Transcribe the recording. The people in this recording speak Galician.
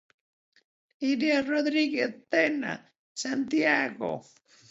Iria Rodríguez Tena, Santiago.